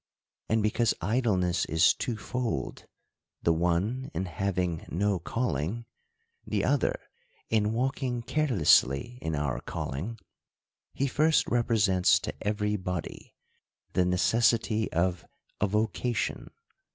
And because idleness is twofold, — the one in having no calling, the other in walking carelessly in our call ing, — he first represents to every body the necessity of a vocation.